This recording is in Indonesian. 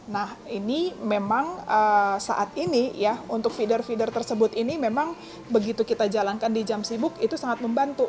nah ini memang saat ini ya untuk feeder feeder tersebut ini memang begitu kita jalankan di jam sibuk itu sangat membantu